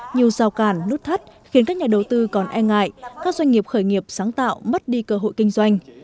nhiều rào cản núp thắt khiến các nhà đầu tư còn e ngại các doanh nghiệp khởi nghiệp sáng tạo mất đi cơ hội kinh doanh